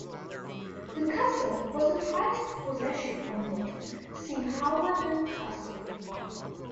The castle was a prized possession onward, see Hawarden Castle.